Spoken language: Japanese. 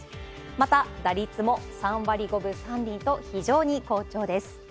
また打率も３割５分３厘と、非常に好調です。